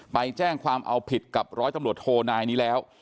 ไปแจ้งความเอาผิดกับร้อยตำรวจโทนายนี้แล้ว